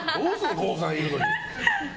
郷さんいるのに。